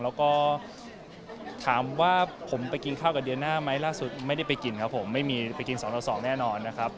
แล้วก็ถามว่าผมไปกินข้าวกับเดือนหน้าไหมล่าสุดไม่ได้ไปกินครับผมไม่มีไปกิน๒ต่อ๒แน่นอนนะครับ